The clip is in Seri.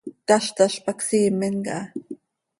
Caztaz pac siimen caha.